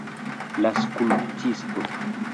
La skulptisto.